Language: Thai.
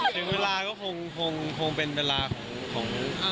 ถึงเวลาก็คงเป็นเวลาของ